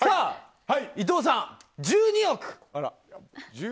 伊藤さん、１２億。